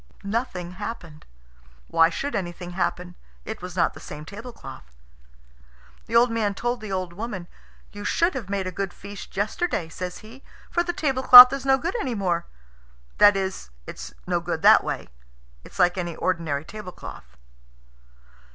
Nothing happened. Why should anything happen? It was not the same tablecloth. The old man told the old woman. "You should have made a good feast yesterday," says he, "for the tablecloth is no good any more. That is, it's no good that way; it's like any ordinary tablecloth."